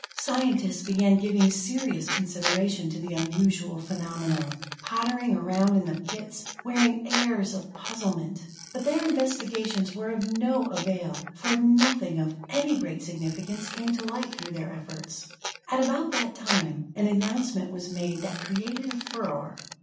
Scientists began giving serious consideration to the unusual phenomenon, pottering around in the pits, wearing airs of puzzlement. But their investigations were of no avail, for nothing of any great significance came to light through their efforts. At about that time, an announcement was made that created a furor.